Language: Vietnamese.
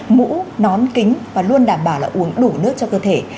mũ nón kính và luôn đảm bảo là uống đủ nước cho cơ thể